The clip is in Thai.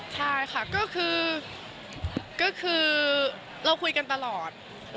ใช่ค่ะก็คือเราคุยกันตลอด